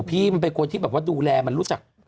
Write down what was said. ปี่มันใช่คนที่ดูแลมารู้จัก